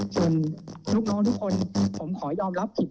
ส่วนลูกน้องทุกคนผมขอยอมรับผิด